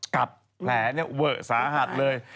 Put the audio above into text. กัดแผลเนี่ยเวอะสาหัสเลย